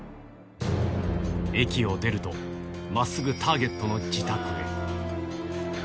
駅を出ると、まっすぐターゲットの自宅へ。